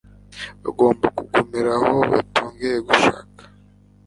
bagomba kugumira aho batongeye gushaka